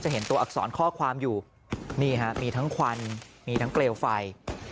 เห็นตัวอักษรข้อความอยู่นี่ฮะมีทั้งควันมีทั้งเปลวไฟ